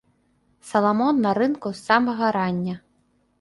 Саламон на рынку з самага рання.